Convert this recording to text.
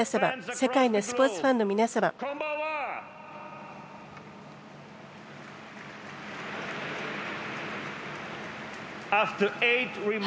世界のスポーツファンの皆様「こんばんは」。